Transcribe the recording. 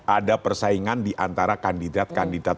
ada persaingan di antara kandidat kandidat